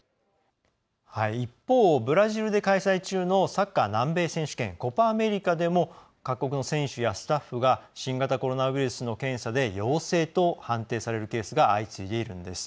一方、ブラジルで開催中のサッカー南米選手権コパ・アメリカでも各国の選手やスタッフが新型コロナウイルスの検査で陽性と判定されるケースが相次いでいるんです。